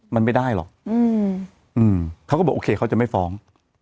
มันไม่ได้หรอกเขาก็บอกโอเคเขาจะไม่ฟ้อง